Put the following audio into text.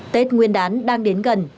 tết nguyên đán đang đến gần